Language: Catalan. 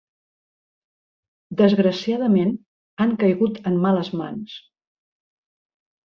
Desgraciadament, han caigut en males mans.